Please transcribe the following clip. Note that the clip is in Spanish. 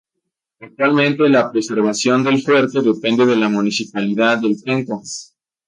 Actualmente la preservación del fuerte depende de la municipalidad de Penco.